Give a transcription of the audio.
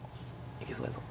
いけそうやぞ。